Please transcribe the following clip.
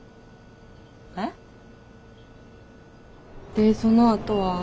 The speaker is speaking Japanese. でそのあとは？